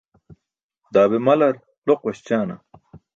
Daa be malar loq waśćaana?